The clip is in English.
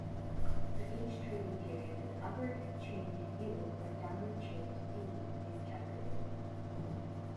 For each trading period an upward change "U" or downward change "D" is calculated.